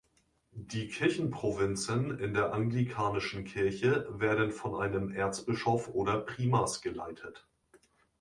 Die Kirchenprovinzen in der Anglikanischen Kirche werden von einem Erzbischof oder Primas geleitet.